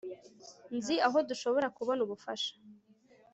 nzi aho dushobora kubona ubufasha